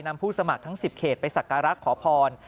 ผู้สมัครทั้ง๑๐เขตไปสักการะขอพร